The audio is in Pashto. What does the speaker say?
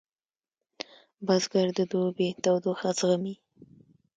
بزګر د دوبي تودوخه زغمي